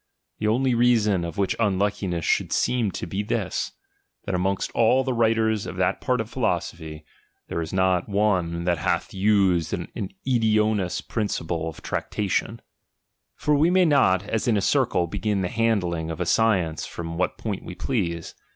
The only reason of which unluckiness 1 should seem to be this ; that amongst all the writers of that part of philosophy there is not writers I VI THE EPISTLE DEDICATORY. one that hath used an idoneous principle of trac tatioD. For we may not, as in a circle, begin the handUng of a science from what point we please.